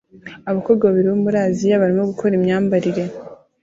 Abakobwa babiri bo muri Aziya barimo gukora imyambarire